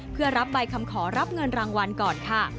เพื่อรับใบคำขอรับเงินรางวัลก่อนค่ะ